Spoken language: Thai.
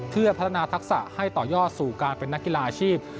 เพื่อพัฒนาทักษะให้ต่อยอดสู่การเป็นนักกีฬาอาชีพ